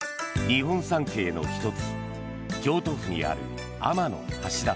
日本三景の１つ京都府にある天橋立。